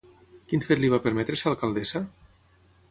Quin fet li va permetre ser alcaldessa?